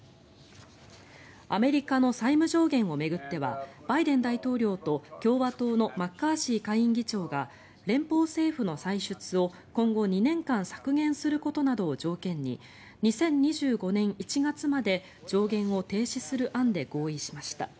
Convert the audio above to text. アメリカの債務上限を巡ってはバイデン大統領と共和党のマッカーシー下院議長が連邦政府の歳出を今後２年間削減することなどを条件に２０２５年１月まで上限を停止する案で合意しました。